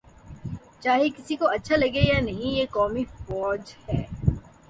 چاہے کسی کو اچھا لگے یا نہیں، یہ قومی فوج ہے۔